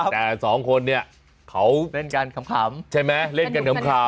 แต่สองคนเนี่ยเขาเล่นกันขำใช่ไหมเล่นกันขำ